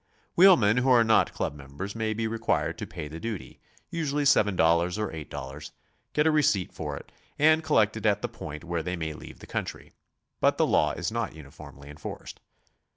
Wheelmen who are not club members may be required to pay the duty, usually $7 or $8, get a receipt for it, and col lect it at the point where they may leave the Country, but the law is not uniformly enforced.